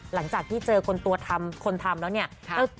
หลังจากที่เจอคนตัวทำคนทำแล้วเนี่ย